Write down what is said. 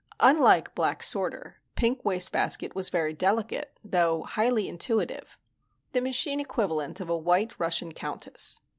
Unlike Black Sorter, Pink Wastebasket was very delicate, though highly intuitive the machine equivalent of a White Russian countess.